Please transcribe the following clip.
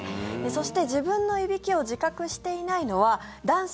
そして、自分のいびきを自覚していないのは男性